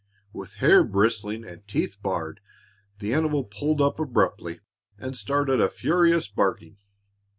With hair bristling and teeth bared, the animal pulled up abruptly and started a furious barking.